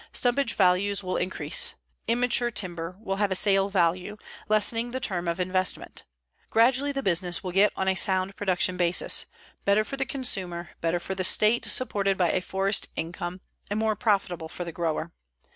Stumpage values will increase. Immature timber will have a sale value, lessening the term of investment. Gradually the business will get on a sound production basis, better for the consumer, better for the state supported by a forest income, and more profitable for the grower.